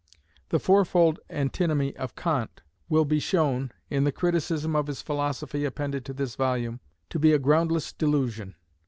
The fourfold antinomy of Kant will be shown, in the criticism of his philosophy appended to this volume, to be a groundless delusion.